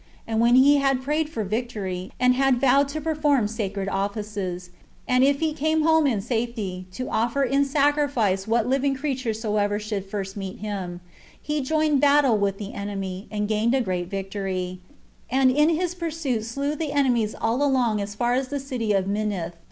And when he had prayed for victory, and had vowed to perform sacred offices, and if he came home in safety, to offer in sacrifice what living creature soever should first meet him, 17 he joined battle with the enemy, and gained a great victory, and in his pursuit slew the enemies all along as far as the city of Minnith.